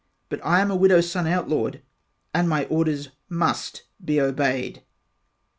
but I am a widows son outlawed and my orders must be obeyed.